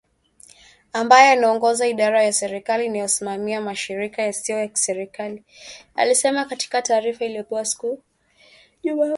Ambaye anaongoza idara ya serikali inayosimamia mashirika yasiyo ya kiserikali, alisema katika taarifa iliyopewa siku ya Jumamosi.